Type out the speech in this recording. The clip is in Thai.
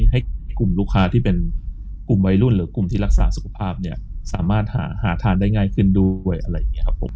ให้กลุ่มลูกค้าที่เป็นกลุ่มวัยรุ่นหรือกลุ่มที่รักษาสุขภาพเนี่ยสามารถหาทานได้ง่ายขึ้นด้วยอะไรอย่างนี้ครับผม